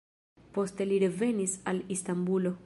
Poste li revenis al Istanbulo.